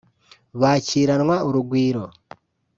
bakiranwa urugwiro